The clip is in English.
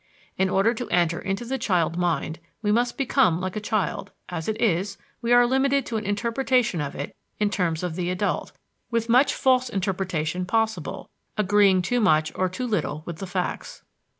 In order to enter into the child mind, we must become like a child; as it is, we are limited to an interpretation of it in terms of the adult, with much false interpretation possible, agreeing too much or too little with the facts.